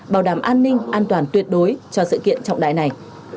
bảo đảm an ninh an toàn tuyệt đối cho sự kiện trọng đại này